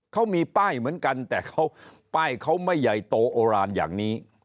เขามีป้ายเหมือนกันแต่เขาป้ายเขาไม่ใหญ่โตโอรานอย่างนี้